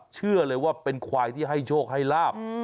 เชื่อเลยว่าเป็นควายที่ให้โชคให้ลาบ